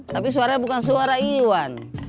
tapi suaranya bukan suara iwan